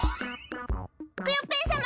クヨッペンさま！